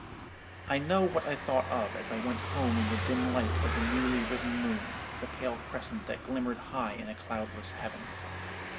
I know what I thought of, as I went home in the dim light of the newly risen moon, the pale crescent that glimmered high in a cloudless heaven.